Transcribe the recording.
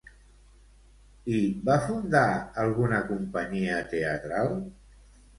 I va fundar alguna companyia teatral?